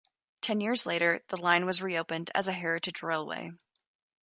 Ten years later the line was reopened as a heritage railway.